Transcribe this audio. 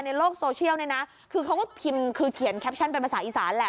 ในโลกโซเชียลคือเขาเขียนแคปชั่นเป็นภาษาอีสานแหละ